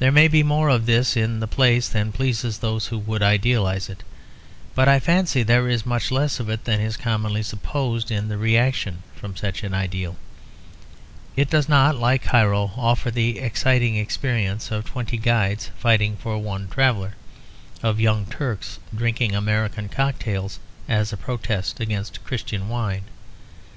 There may be more of this in the place than pleases those who would idealise it. But I fancy there is much less of it than is commonly supposed in the reaction from such an ideal. It does not, like Cairo, offer the exciting experience of twenty guides fighting for one traveller; of young Turks drinking American cocktails as a protest against Christian wine.